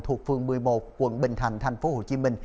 thuộc phương một mươi một quận bình thành tp hcm